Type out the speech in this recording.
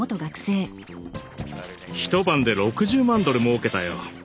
一晩で６０万ドルもうけたよ。